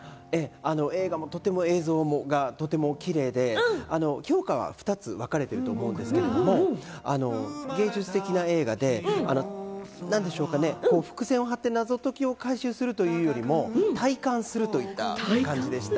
映画もとても映像がとてもキレイで、評価は２つわかれていると思うんですけれども、芸術的な映画で、何でしょうかね、伏線を張って謎解きを回収するというよりも体感するといった感じでした。